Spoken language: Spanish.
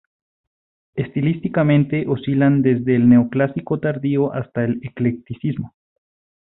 Estilísticamente oscilan desde el neoclásico tardío hasta el eclecticismo.